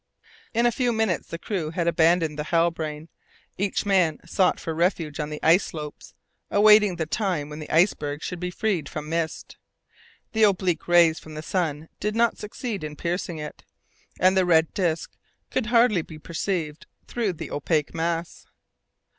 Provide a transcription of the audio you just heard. In a few minutes the crew had abandoned the Halbrane. Each man sought for refuge on the ice slopes, awaiting the time when the iceberg should be freed from mist. The oblique rays from the sun did not succeed in piercing it, and the red disk could hardly be perceived through the opaque mass.